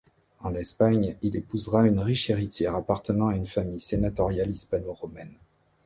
En Espagne, il épousera une riche héritière appartenant à une famille sénatoriale hispano-romaine.